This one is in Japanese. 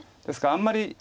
ですからあんまり。